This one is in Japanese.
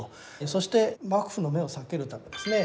そして幕府の目を避けるためですね。